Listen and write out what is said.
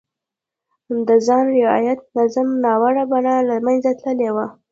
د خان رعیت نظام ناوړه بڼه له منځه تللې وه.